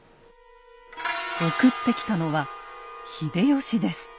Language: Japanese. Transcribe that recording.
送ってきたのは秀吉です。